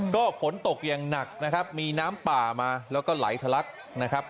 ก็ฝนตกอย่างหนักนะครับมีน้ำป่ามาแล้วก็ไหลทะลักนะครับ